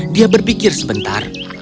dia berpikir sebentar